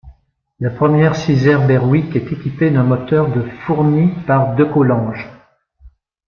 La première Sizaire-Berwick est équipée d'un moteur de fourni par Decolange.